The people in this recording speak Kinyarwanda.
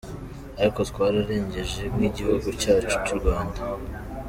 Ariko twararengeje nk’igihugu cyacu cy’u Rwanda.